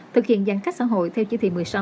thực hiện giãn cách xã hội theo chỉ thị một mươi sáu